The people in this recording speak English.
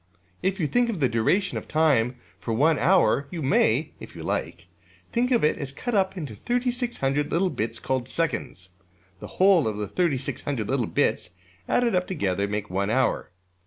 '' If you think of the duration of time for one hour, you may (if you like) think of it as cut up into $3600$ little bits called seconds. The whole of the $3600$ little bits added up together make one hour.